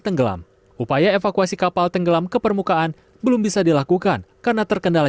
tenggelam upaya evakuasi kapal tenggelam ke permukaan belum bisa dilakukan karena terkendala